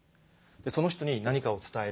でその人に何かを伝える。